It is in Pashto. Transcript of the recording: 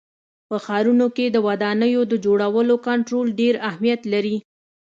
په ښارونو کې د ودانیو د جوړولو کنټرول ډېر اهمیت لري.